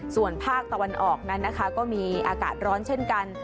ส่วนภาคตะวันออกนั้นนะคะก็มีอากาศร้อนเช่นกัน